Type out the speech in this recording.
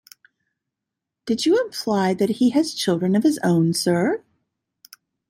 Did you imply that he has children of his own, sir?